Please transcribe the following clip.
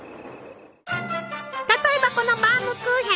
例えばこのバウムクーヘン。